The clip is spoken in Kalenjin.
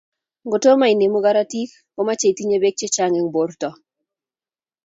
Ngotomo inemu korotik, komechei itinye beek chechang eng borto